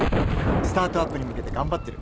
スタートアップに向けて頑張ってる。